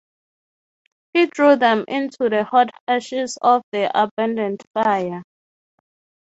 He threw them into the hot ashes of the abandoned fire.